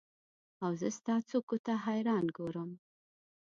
اوزه ستا څوکو ته حیران ګورم